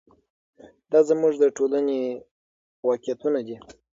دا زموږ د ټولنې واقعیتونه دي.